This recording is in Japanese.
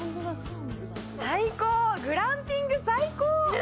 最高、グランピング最高！